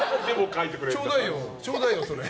ちょうだいよ、それ。